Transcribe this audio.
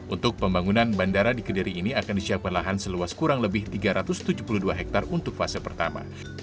untuk pembangunan bandara di kediri ini akan disiapkan lahan seluas kurang lebih tiga ratus tujuh puluh dua hektare untuk fase pertama